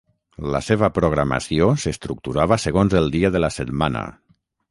La seva programació s'estructurava segons el dia de la setmana.